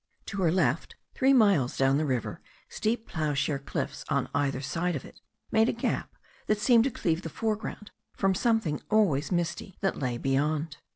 To her left, three miles down the river, steep ploughshare cliffs on either side of it made a gap that seemed to cleave the fore ground from something always misty that lay beyond.